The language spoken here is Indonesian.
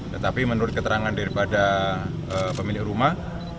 tetapi menurut keterangan daripada pemilik rumah